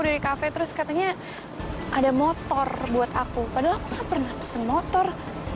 dari kafe terus katanya ada motor buat aku padahal aku pernah pesen motor